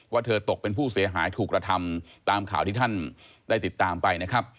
เธอตกเป็นผู้เสียหายถูกกระทำตามข่าวที่ท่านได้ติดตามไปนะครับ